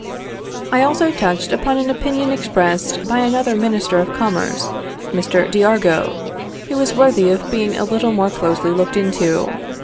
I also touched upon an opinion expressed by another minister of commerce, Mr. d'Argout, which is worthy of being a little more closely looked into.